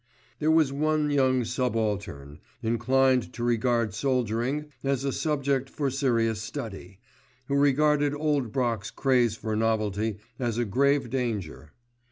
There was one young subaltern, inclined to regard soldiering as a subject for serious study, who regarded Old Brock's craze for novelty as a grave danger.